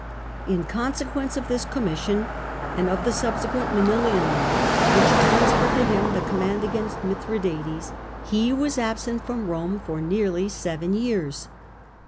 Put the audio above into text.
In consequence of this commission, and of the subsequent Manilian Law, which transferred to him the command against Mithradates, he was absent from Rome for nearly seven years.